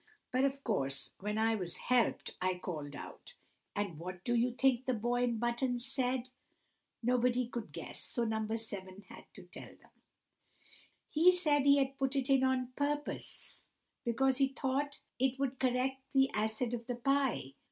But, of course, when I was helped I called out. And what do you think the boy in buttons said?" Nobody could guess, so No. 7 had to tell them. "He said he had put it in on purpose, because he thought it would correct the acid of the pie.